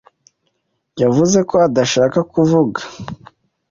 yavuze ko adashaka kuvuga.